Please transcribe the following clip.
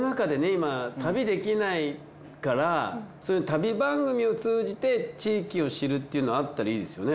今旅できないからそういう旅番組を通じて地域を知るっていうのはあったらいいですよね。